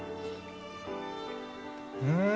うん。